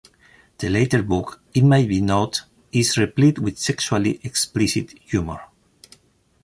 The latter book, it may be noted, is replete with sexually-explicit humor.